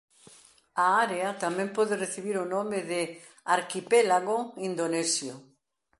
A área tamén pode recibir o nome de "arquipélago Indonesio".